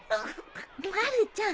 まるちゃん